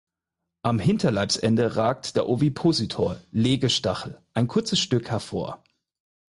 Am Hinterleibsende ragt der Ovipositor (Legestachel) ein kurzes Stück hervor.